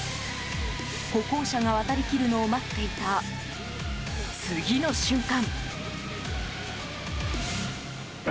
歩行者が渡り切るのを待っていた次の瞬間。